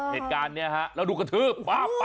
เหตุการณ์เนี่ยครับแล้วดูกระทืบ